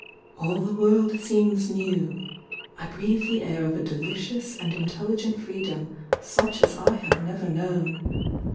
AU the world seems new ; I breathe the air of a delicious and in telligent freedom such as I have never known.